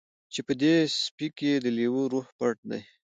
چې په دې سپي کې د لیوه روح پټ دی